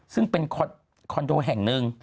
ซึ่งเป็นคอนโดแห่งหนึ่ง